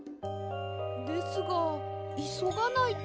ですがいそがないと。